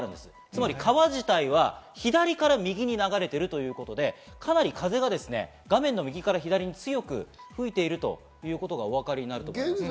つまり川自体は左から右に流れているということで、かなり風が画面右から左に強く吹いているということがお分かりなると思います。